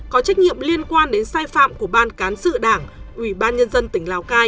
có trách nhiệm liên quan đến sai phạm của ban cán sự đảng ubnd tỉnh lào cai